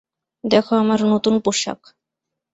দেখো আমার নতুন পোশাক।